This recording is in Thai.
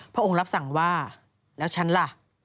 พระองค์รับสั่งว่าแล้วฉันล่ะ